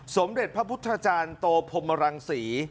สมเด็ดพระพุทธราชาญโตพมรังศรี